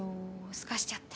すかしちゃって。